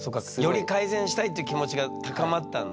より改善したいって気持ちが高まったんだ。